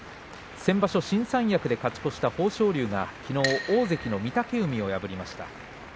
先場所新三役で勝ち越した豊昇龍きのう大関御嶽海を破りました。